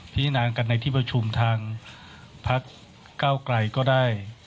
พิจารณากันในที่ประชุมทางพักเก้าไกลก็ได้